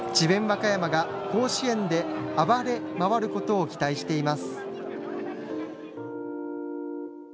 和歌山が甲子園で暴れまわることを期待しています。